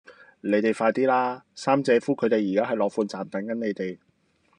你哋快啲啦!三姐夫佢哋而家喺樂富站等緊你哋